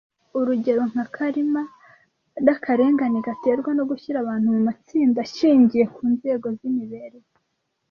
urugero nka Karma n’akarengane gaterwa no gushyira abantu mu matsinda ashingiye ku nzego z’imibereho